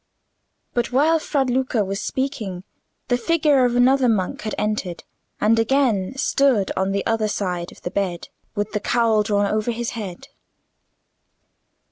But while Fra Luca was speaking, the figure of another monk had entered, and again stood on the other side of the bed, with the cowl drawn over his head.